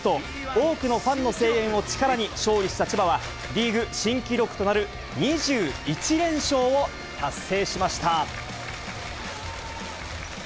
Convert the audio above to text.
多くのファンの声援を力に勝利した千葉は、リーグ新記録となる２１連勝を達成しました。